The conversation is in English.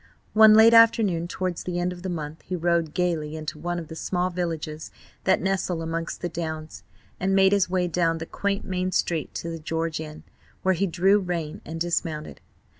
One late afternoon towards the end of the month he rode gaily into one of the small villages that nestle amongst the Downs, and made his way down the quaint main street to the George Inn, where he drew rein and dismounted.